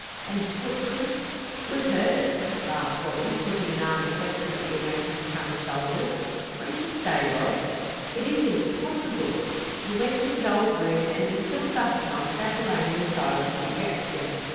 "And the footprint " "Was hers," laughed Wabi, putting an arm affectionately around his chum's shoulders. "Won't you stay, Rod?" "It is impossible." He went to his old room, and until suppertime sat alone in silent dejection.